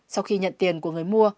sau khi nhận tiền của người mua